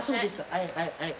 はいはいはい。